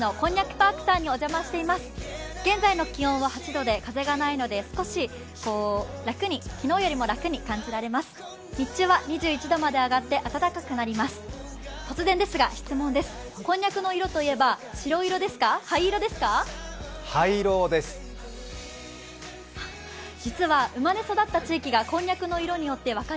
こんにゃくの色といえば、白色ですか、灰色ですか？